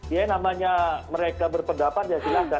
ya yang namanya mereka berpendapat ya silahkan